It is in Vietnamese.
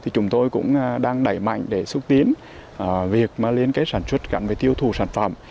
chúng tôi cũng đang đẩy mạnh để xúc tiến việc liên kết sản xuất gắn với tiêu thụ sản phẩm